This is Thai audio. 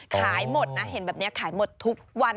ขายหมดนะเห็นแบบนี้ขายหมดทุกวัน